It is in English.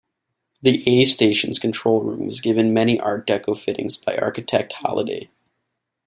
The A Station's control room was given many Art Deco fittings by architect Halliday.